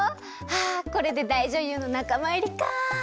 ああこれでだいじょゆうのなかまいりかあ。